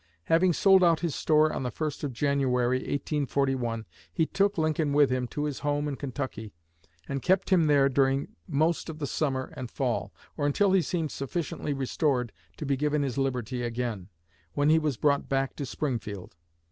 Having sold out his store on the first of January, 1841, he took Lincoln with him to his home in Kentucky and kept him there during most of the summer and fall, or until he seemed sufficiently restored to be given his liberty again, when he was brought back to Springfield.